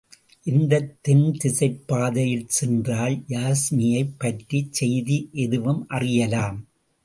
இந்தத் தென் திசைப் பாதையில் சென்றால், யாஸ்மியைப் பற்றிச் செய்தி எதுவும் அறியலாம்.